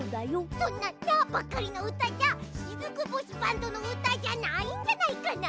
そんな「ナ」ばっかりのうたじゃしずく星バンドのうたじゃないんじゃないかな？